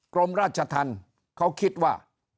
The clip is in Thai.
กรมราชทันเขาคิดว่า